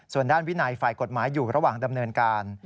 ส่วนด้านวินัยฝ่ายกฎหมายอยู่ระหว่างดำเนินการ